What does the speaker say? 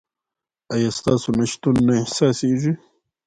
ایا ستاسو نشتون نه احساسیږي؟